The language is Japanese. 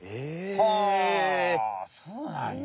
はあそうなんや！